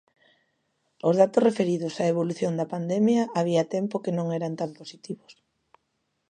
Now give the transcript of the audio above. Os datos referidos á evolución da pandemia había tempo que non eran tan positivos.